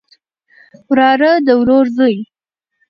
وراره د ورور زوی